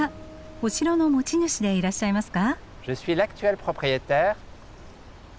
お城の持ち主でいらっしゃいますか？